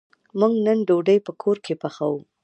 موږ به نن ډوډۍ په کور کی پخوو